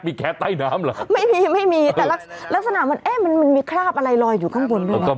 มีแก๊สใต้น้ำหรอไม่มีแต่ลักษณะว่ามันมีคราบอะไรลอยอยู่ข้างบน